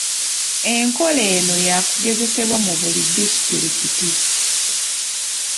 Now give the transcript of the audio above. Enkola eno ya kugezesebwa mu disitulikiti.